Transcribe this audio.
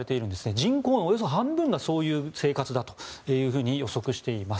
人口のおよそ半分がそういう生活だというふうに予測しています。